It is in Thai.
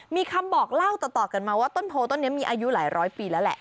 มีคำบอกเล่าต่อกันมาว่าต้นโพต้นนี้มีอายุหลายร้อยปีแล้วแหละ